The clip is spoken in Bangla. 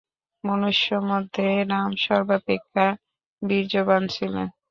মনুষ্যমধ্যে রাম সর্বাপেক্ষা বীর্যবান ছিলেন।